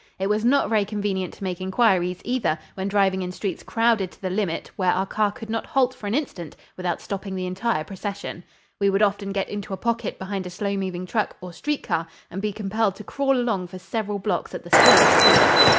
It was not very convenient to make inquiries, either, when driving in streets crowded to the limit where our car could not halt for an instant without stopping the entire procession. We would often get into a pocket behind a slow moving truck or street car and be compelled to crawl along for several blocks at the slowest speed.